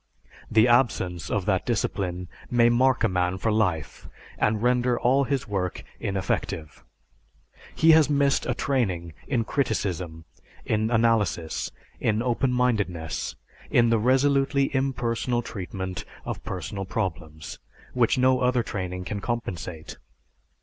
The absence of that discipline may mark a man for life and render all his work ineffective. He has missed a training in criticism, in analysis, in open mindedness, in the resolutely impersonal treatment of personal problems, which no other training can compensate.